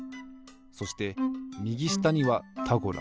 そしてみぎしたには「タゴラ」。